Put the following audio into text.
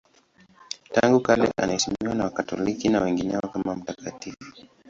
Tangu kale anaheshimiwa na Wakatoliki na wengineo kama mtakatifu.